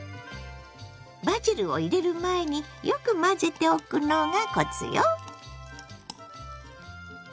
バジルを入れる前によく混ぜておくのがコツよ。